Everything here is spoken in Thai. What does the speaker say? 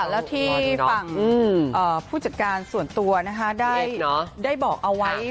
แล้วที่ฝั่งผู้จัดการส่วนตัวได้บอกเอาไว้